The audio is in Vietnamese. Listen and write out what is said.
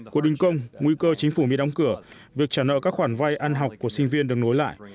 cuộc đình công nguy cơ chính phủ mỹ đóng cửa việc trả nợ các khoản vay ăn học của sinh viên được nối lại